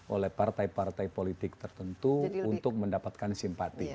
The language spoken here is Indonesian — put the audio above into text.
oleh partai partai politik tertentu untuk mendapatkan simpati